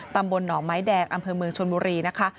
ตำบลหนองไม้แดงอำเภอเมืองชนบุรีนะคะ